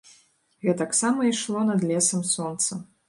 Гэтаксама ішло над лесам сонца.